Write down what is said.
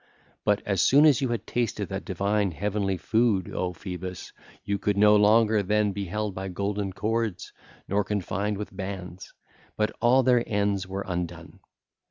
But as soon as you had tasted that divine heavenly food, O Phoebus, you could no longer then be held by golden cords nor confined with bands, but all their ends were undone.